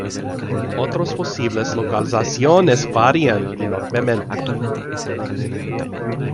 Otros posibles localizaciones varían enormemente.